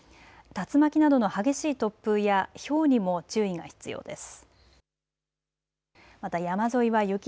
竜巻などの激しい突風やひょうにも注意が必要です。